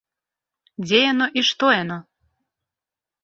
Дзе яно і што яно?